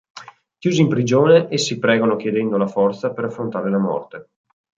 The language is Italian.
Chiusi in prigione, essi pregano chiedendo la forza per affrontare la morte.